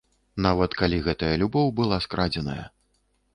Нават калі гэтая любоў была скрадзеная.